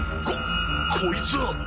ここいつは。